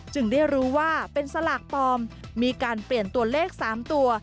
ได้รู้ว่าเป็นสลากปลอมมีการเปลี่ยนตัวเลข๓ตัว